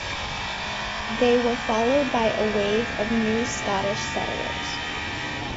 They were followed by a wave of new Scottish settlers.